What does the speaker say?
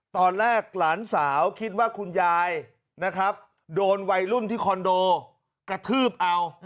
หลานสาวคิดว่าคุณยายนะครับโดนวัยรุ่นที่คอนโดกระทืบเอา